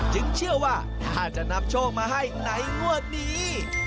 เชื่อว่าถ้าจะนำโชคมาให้ในงวดนี้